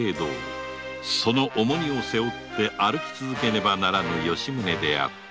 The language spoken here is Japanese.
その重荷を背負って歩き続けねばならぬ吉宗であった